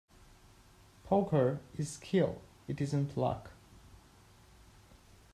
Poker is skill, it isn't luck.